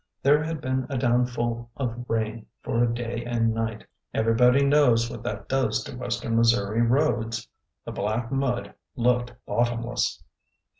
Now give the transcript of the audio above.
There had been a downfall of rain for a day and night. Everybody knows what that does to western Missouri roads. The black mud looked bottomless.